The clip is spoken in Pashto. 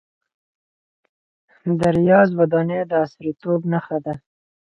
د ریاض ودانۍ د عصریتوب نښه ده.